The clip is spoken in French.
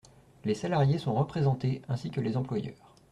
Les salariés sont représentés, ainsi que les employeurs.